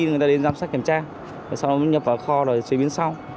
người ta đến giám sát kiểm tra sau đó nhập vào kho rồi chế biến sau